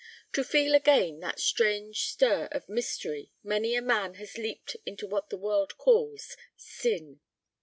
To feel again that strange stir of mystery many a man has leaped into what the world calls "sin."